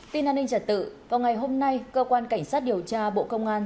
tin an ninh trật tự vào ngày hôm nay cơ quan cảnh sát điều tra bộ công an